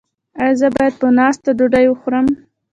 ایا زه باید په ناسته ډوډۍ وخورم؟